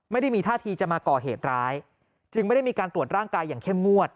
ไม่ได้มีท่าทีจะมาก่อเหตุร้ายจึงไม่ได้มีการตรวจร่างกายอย่างเข้มงวด